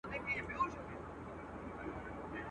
غوړولی یې په ملک کي امنیت وو.